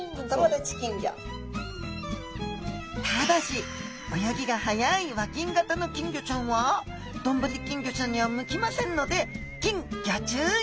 ただし泳ぎが速い和金型の金魚ちゃんはどんぶり金魚ちゃんには向きませんので禁ギョ注意